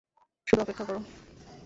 শুধু অপেক্ষা করো।